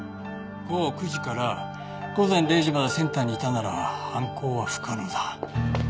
午後９時から午前０時までセンターにいたなら犯行は不可能だ。